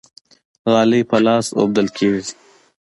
غالۍ په لاس اوبدل کیږي.